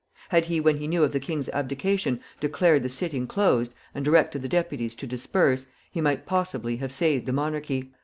Had he, when he knew of the king's abdication, declared the sitting closed, and directed the Deputies to disperse, he might possibly have saved the monarchy.